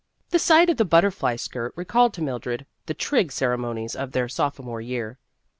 The sight of the butterfly skirt recalled to Mildred the Trig Ceremonies of their sophomore year.